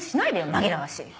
紛らわしい。